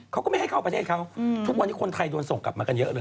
เขาก็ไม่ให้เข้าประเทศเขาทุกวันนี้คนไทยโดนส่งกลับมากันเยอะเลย